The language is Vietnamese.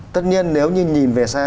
tất nhiên nếu như nhìn về xa